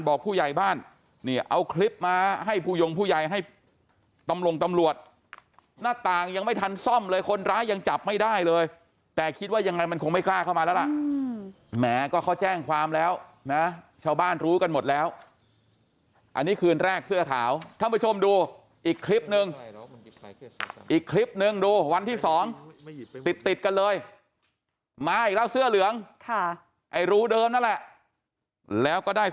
ผู้ใหญ่บ้านนี่เอาคลิปมาให้ผู้ยงผู้ใหญ่ให้ตำรวจหน้าต่างยังไม่ทันซ่อมเลยคนร้ายยังจับไม่ได้เลยแต่คิดว่ายังไงมันคงไม่กล้าเข้ามาแล้วล่ะแหมก็เขาแจ้งความแล้วนะชาวบ้านรู้กันหมดแล้วอันนี้คืนแรกเสื้อขาวท่านผู้ชมดูอีกคลิปนึงอีกคลิปนึงดูวันที่สองติดติดกันเลยมาอีกแล้วเสื้อเหลืองค่ะไอ้รูเดิมนั่นแหละแล้วก็ได้